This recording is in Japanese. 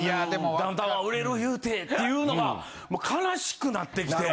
ダウンタウンは売れる言うてっていうのが悲しくなってきて。